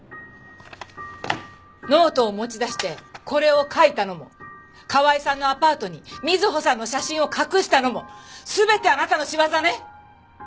ノートを持ち出してこれを書いたのも川井さんのアパートに瑞穂さんの写真を隠したのも全てあなたの仕業ね！？